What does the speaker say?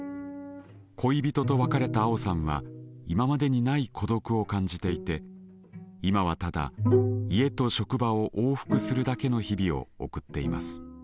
恋人と別れたあおさんは今までにない孤独を感じていて今はただ家と職場を往復するだけの日々を送っています。